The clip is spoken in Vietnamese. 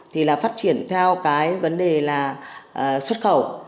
thì là phát triển theo cái vấn đề là xuất khẩu